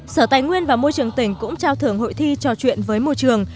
sở tài nguyên và môi trường tỉnh cũng trao thưởng hội thi trò chuyện với môi trường